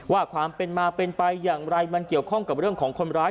ว่าความเป็นมาเป็นไปอย่างไรมันเกี่ยวข้องกับเรื่องของคนร้าย